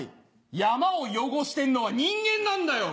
山を汚してんのは人間なんだよ！